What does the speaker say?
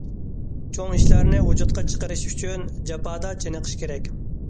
« چوڭ ئىشلارنى ۋۇجۇدقا چىقىرىش ئۈچۈن جاپادا چېنىقىش كېرەك».